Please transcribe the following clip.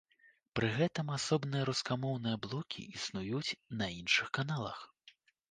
Пры гэтым асобныя рускамоўныя блокі існуюць і на іншых каналах.